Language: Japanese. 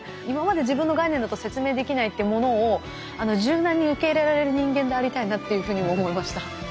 今まで自分の概念だと説明できないっていうものを柔軟に受け入れられる人間でありたいなっていうふうに思いました。